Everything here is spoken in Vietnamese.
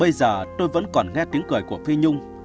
bây giờ tôi vẫn còn nghe tiếng cười của phi nhung